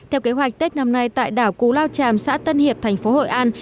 theo kế hoạch tết năm nay tại đảo cú lao tràm xã tân hiệp thành phố hội an